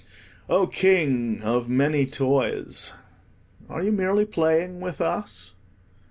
Oh, King of many toys, are you merely playing with us?